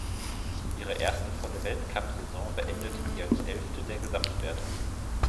Ihre erste volle Weltcupsaison beendete sie als Elfte der Gesamtwertung.